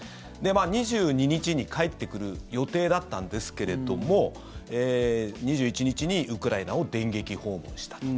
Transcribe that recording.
２２日に帰ってくる予定だったんですけれども２１日にウクライナを電撃訪問したと。